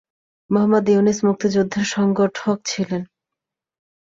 মোহাম্মদ ইউনুস মুক্তিযুদ্ধের সংগঠক ছিলেন।